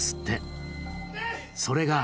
それが。